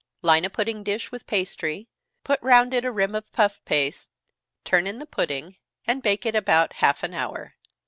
Line a pudding dish with pastry, put round it a rim of puff paste, turn in the pudding, and bake it about half an hour.